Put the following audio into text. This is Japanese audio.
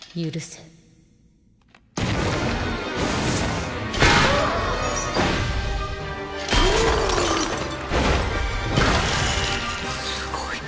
すごい。